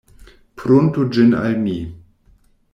Pruntu ĝin al mi!